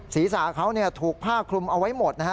ศีรษะเขาถูกผ้าคลุมเอาไว้หมดนะฮะ